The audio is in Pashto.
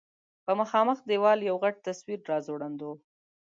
په مخامخ دېوال یو غټ تصویر راځوړند و.